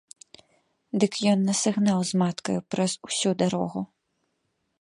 Дык ён нас і гнаў з маткаю праз усю дарогу.